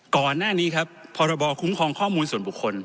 ก่อนหน้านี้ครับพรบคุ้มครองข้อมูลส่วนบุคคล